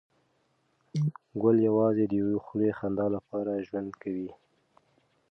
ګل یوازې د یوې خولې خندا لپاره ژوند کوي.